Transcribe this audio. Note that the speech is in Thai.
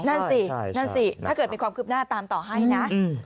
นั่นสินั่นสิถ้าเกิดมีความคืบหน้าตามต่อให้นะ